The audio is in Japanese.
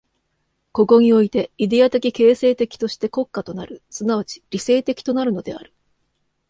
ここにおいてイデヤ的形成的として国家となる、即ち理性的となるのである。